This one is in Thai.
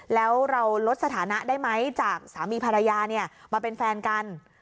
แล้วเราลดสถานะได้ไหมจากสามีภรรยาเนี่ยมาเป็นแฟนกัน